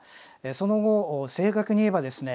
その後正確に言えばですね